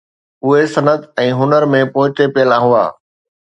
اهي صنعت ۽ هنر ۾ پوئتي پيل هئا